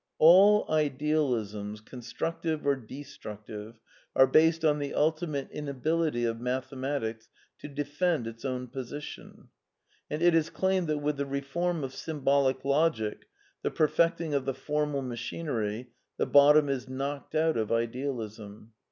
All Idealisms, constructive or destructive, are based on the ultimate inability of mathematics to defend its own position. And it is claimed that with the reform of Sym bolic Logic, the perfecting of the formal machinery, the bottom is knocked out of Idealism.